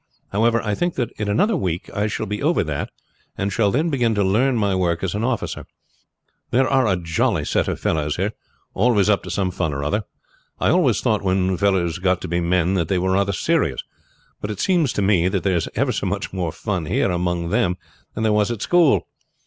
However, I think that in another week I shall be over that, and shall then begin to learn my work as an officer. They are a jolly set of fellows here, always up to some fun or other. I always thought when fellows got to be men they were rather serious, but it seems to me that there is ever so much more fun here among them than there was at school.